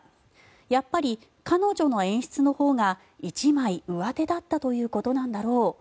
やっぱり彼女の演出のほうが一枚上手だったということなんだろう。